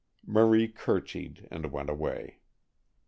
Marie curtseyed and went away.